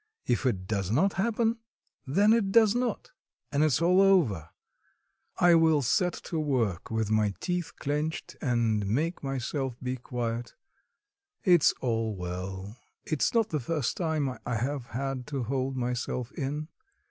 If it does not happen, then it does not and it's all over. I will set to work, with my teeth clenched, and make myself be quiet; it's as well, it's not the first time I have had to hold myself in.